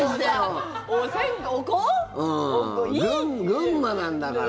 群馬なんだから。